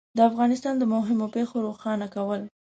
د افغانستان د مهمو پېښو روښانه کول